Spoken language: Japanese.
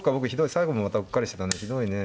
最後もまたうっかりしてたねひどいね。